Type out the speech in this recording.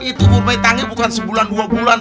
itu umpanya tangi bukan sebulan dua bulan